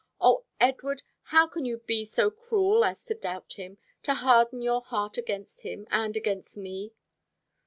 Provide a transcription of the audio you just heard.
O Edward, how can you be so cruel as to doubt him, to harden your heart against him and against me?"